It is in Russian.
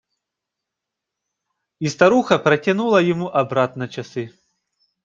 И старуха протянула ему обратно часы.